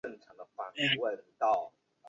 庙也供俸惭愧祖师。